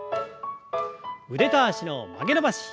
腕と脚の曲げ伸ばし。